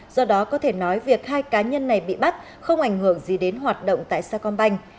do đó có thể nói việc hai cá nhân này bị bắt không ảnh hưởng gì đến hoạt động tại sa công banh